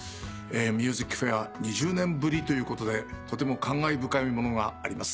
『ＭＵＳＩＣＦＡＩＲ』２０年ぶりということでとても感慨深いものがあります。